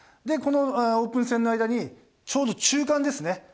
このオープン戦の間にちょうど中間ですね。